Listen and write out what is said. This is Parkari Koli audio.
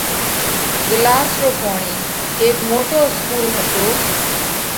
ڳِلاس رو پوڻِي : هيڪ موٽو اِسڪُول هتو